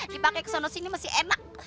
dipake kesana sini masih enak